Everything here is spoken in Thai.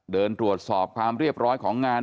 เดินตรวจสอบความเรียบร้อยของงาน